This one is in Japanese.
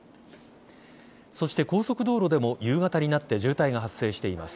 そして高速道路でも夕方になって渋滞が発生しています。